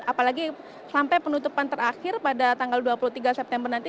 apalagi sampai penutupan terakhir pada tanggal dua puluh tiga september nanti